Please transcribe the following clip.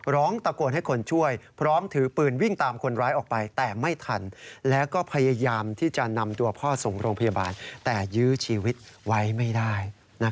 ร้องตะโกนให้คนช่วยพร้อมถือปืนวิ่งตามคนร้ายออกไปแต่ไม่ทันแล้วก็พยายามที่จะนำตัวพ่อส่งโรงพยาบาลแต่ยื้อชีวิตไว้ไม่ได้